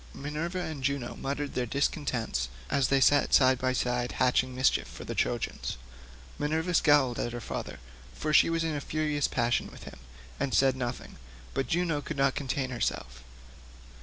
Minerva and Juno muttered their discontent as they sat side by side hatching mischief for the Trojans. Minerva scowled at her father, for she was in a furious passion with him, and said nothing, but Juno could not contain herself.